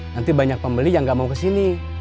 nanti banyak pembeli yang gak mau kesini